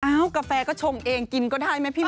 แอ้้อกาแฟก็ชงเองกินก็ได้ไหมพี่มิว